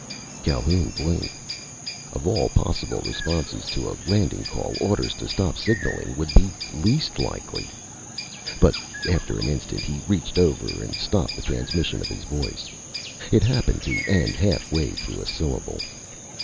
_" Calhoun blinked. Of all possible responses to a landing call, orders to stop signaling would be least likely. But after an instant he reached over and stopped the transmission of his voice. It happened to end halfway through a syllable.